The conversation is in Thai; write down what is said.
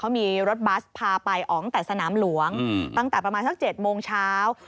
เขามีรถบัสพาไปอ๋องแต่สนามหลวงตั้งแต่ประมาณสัก๗โมงเช้า